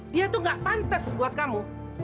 dia tuh gak pantas buat kamu